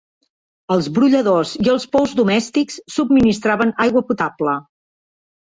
Els brolladors i els pous domèstics subministraven aigua potable.